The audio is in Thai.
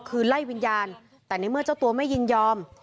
คุณสังเงียมต้องตายแล้วคุณสังเงียม